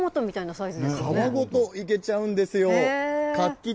サイ皮ごといけちゃうんですよ。